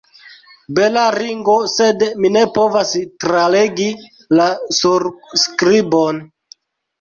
Bela ringo, sed mi ne povas tralegi la surskribon.